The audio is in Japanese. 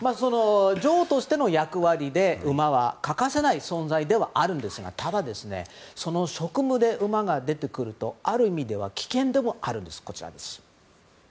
女王としての役割で馬は欠かせない存在ではあるんですがただ職務で馬が出てくるとある意味では危険でもあります。